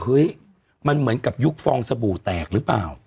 เฮ้ยมันเหมือนกับยุคฟองสบู่แตกหรือเปล่า